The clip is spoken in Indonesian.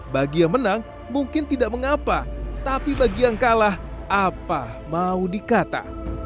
bagi yang menang mungkin tidak mengapa tapi bagi yang kalah apa mau dikata